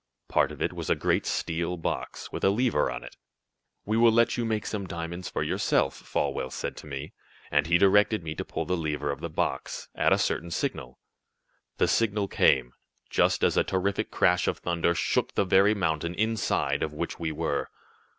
Part of it was a great steel box, with a lever on it. "We will let you make some diamonds for yourself," Folwell said to me, and he directed me to pull the lever of the box, at a certain signal. The signal came, just as a terrific crash of thunder shook the very mountain inside of which we were.